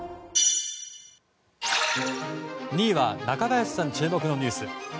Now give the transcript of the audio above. ２位は中林さん注目のニュース。